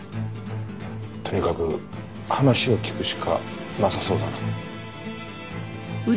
とにかく話を聞くしかなさそうだな。